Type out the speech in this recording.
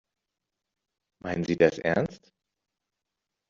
Meinen Sie das ernst?